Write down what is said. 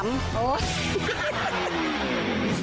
โอ้โห